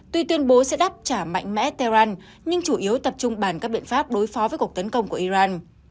tuy tuyên bố sẽ đáp trả mạnh mẽ tehran nhưng chủ yếu tập trung bàn các biện pháp đối phó với cuộc tấn công của iran